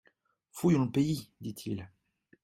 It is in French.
Fouillons le pays, dit-il.